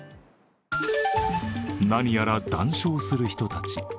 何やら談笑する人たち。